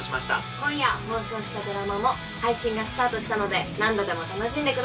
今夜放送したドラマも配信がスタートしたので何度でも楽しんでください。